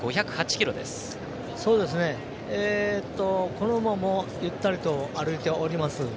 この馬もゆったりと歩いております。